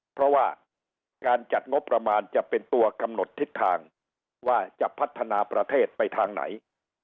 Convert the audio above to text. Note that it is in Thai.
เพราะว่าการจัดงบประมาณจะเป็นตัวกำหนดทิศทางว่าจะพัฒนาประเทศไปทางไหน